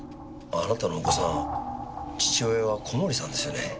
あなたのお子さん父親は小森さんですよね？